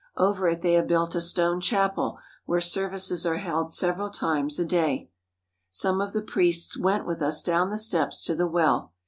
Over it they have built a stone chapel where services are held several times every day. Some of the priests went with us down the steps to the well.